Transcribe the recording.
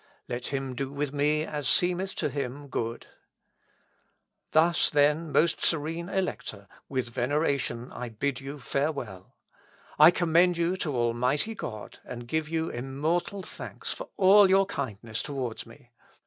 Let him do with me as seemeth to him good! "Thus, then, most serene Elector, with veneration I bid you farewell. I commend you to Almighty God, and give you immortal thanks for all your kindness towards me.